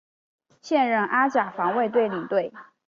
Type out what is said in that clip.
现任阿甲防卫者领队。